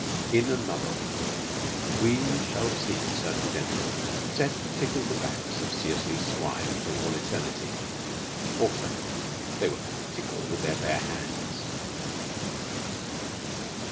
In another world we shall see certain gentlemen set to tickle the backs of Circe's swine through all eternity. Also, they will have to tickle with their bare hands.